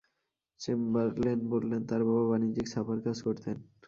Chamberlain বলেন, তাঁর বাবা বাণিজ্যিক ছাপার কাজ করতেন।